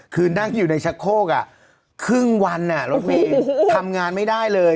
คือนั่งอยู่ในชะโคกครึ่งวันรถเมย์ทำงานไม่ได้เลย